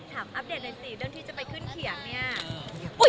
ถามอัปเดตในสีเดือนที่จะไปขึ้นเขียงเนี่ย